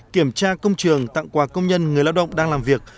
kiểm tra công trường tặng quà công nhân người lao động đang làm việc